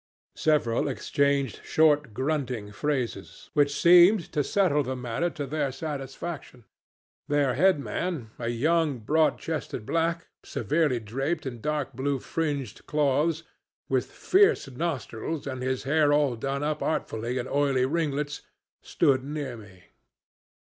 Several exchanged short, grunting phrases, which seemed to settle the matter to their satisfaction. Their headman, a young, broad chested black, severely draped in dark blue fringed cloths, with fierce nostrils and his hair all done up artfully in oily ringlets, stood near me.